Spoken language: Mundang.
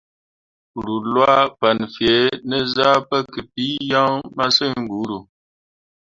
Ruu lwaa fan fẽẽ ne zah pǝkǝpii yaŋ masǝŋ buuru.